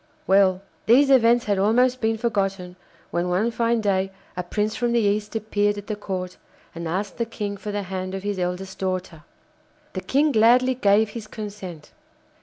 Well, these events had almost been forgotten when one fine day a prince from the East appeared at the Court and asked the King for the hand of his eldest daughter. The King gladly gave his consent.